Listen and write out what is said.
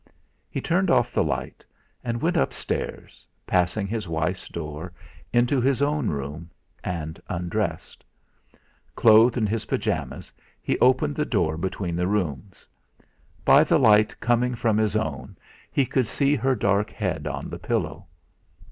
He turned off the light, and went upstairs, passed his wife's door, into his own room, and undressed. Clothed in his pyjamas he opened the door between the rooms. By the light coming from his own he could see her dark head on the pillow.